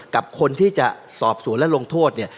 กับคนที่จะสอบสวนและลงโทษเนี่ย